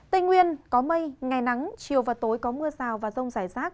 tây nguyên có mây ngày nắng chiều và tối có mưa rào và rông rải rác